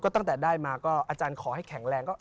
พระพุทธพิบูรณ์ท่านาภิรม